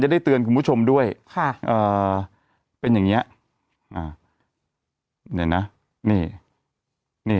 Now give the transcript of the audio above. ได้เตือนคุณผู้ชมด้วยค่ะเอ่อเป็นอย่างเงี้ยอ่าเนี่ยนะนี่นี่